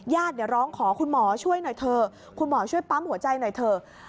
ร้องขอคุณหมอช่วยหน่อยเถอะคุณหมอช่วยปั๊มหัวใจหน่อยเถอะ